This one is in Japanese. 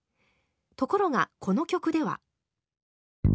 ところがこの曲では。